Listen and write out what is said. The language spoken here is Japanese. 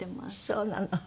そうなの。